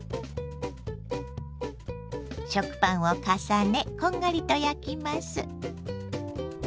食パンを重ねこんがりと焼きます。